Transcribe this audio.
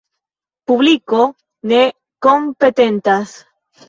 Publiko ne kompetentas.